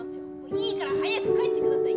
いいから早く帰ってください！